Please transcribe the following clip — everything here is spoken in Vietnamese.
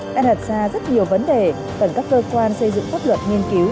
đang hạt ra rất nhiều vấn đề cần các cơ quan xây dựng pháp luật nghiên cứu